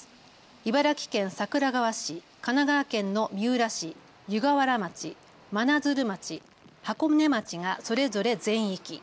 茨城県桜川市、神奈川県の三浦市、湯河原町、真鶴町、箱根町がそれぞれ全域。